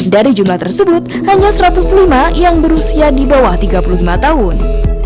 dari jumlah tersebut hanya satu ratus lima yang berusia di bawah tiga puluh lima tahun